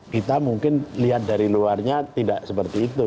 kita mungkin lihat dari luarnya tidak seperti itu